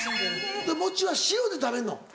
餅は塩で食べるの？